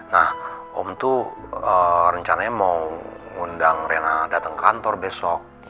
nah om tuh rencananya mau ngundang rena datang ke kantor besok